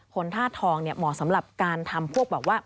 ธาตุทองเนี่ยเหมาะสำหรับการทำพวกแบบว่า